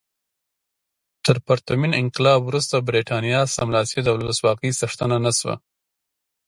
تر پرتمین انقلاب وروسته برېټانیا سملاسي د ولسواکۍ څښتنه نه شوه.